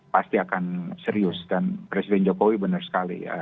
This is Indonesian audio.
pasti akan serius dan presiden jokowi benar sekali